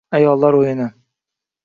Ayollar o'yini